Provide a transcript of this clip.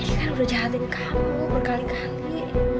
ibu kan udah jahatin kamu berkali kali